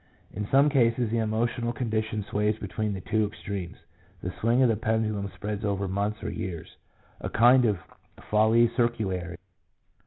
In some cases the emotional condition sways between the two extremes, the swing of the pendulum spreads over months or years — a kind of ' folie circulaire.'